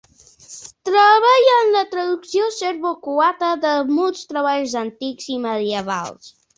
Treballa en la traducció serbo-croata de molts treballs antics i medievals.